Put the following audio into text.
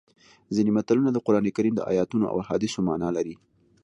ځینې متلونه د قرانکریم د ایتونو او احادیثو مانا لري